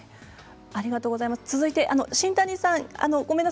続いて新谷さん